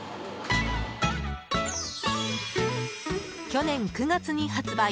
去年９月に発売